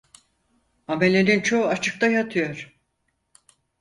Amelenin çoğu açıkta yatıyor.